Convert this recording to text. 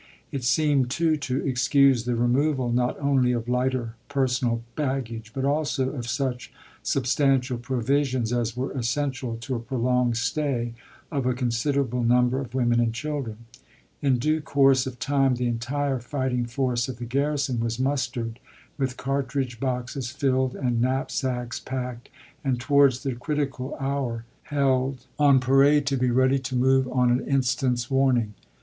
It seemed, too, to excuse the removal not only of lighter personal baggage, but also of such substantial provisions as were essential to a prolonged stay of a considerable number of women and children. In due course of time the entire fighting force of the garrison was mustered, with cartridge boxes filled and knap sacks packed, and towards the critical hour held Vol. III.— 4 50 ABRAHAM LINCOLN chap. iv. on parade to be ready to move on an instant's warn ing.